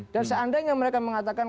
dan seandainya mereka mengatakan